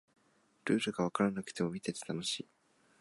ルールがわからなくても見てて楽しい